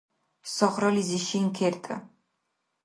Сагърализи шин кертӀа.